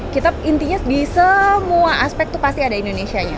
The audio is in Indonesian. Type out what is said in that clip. kita intinya di semua aspek itu pasti ada indonesianya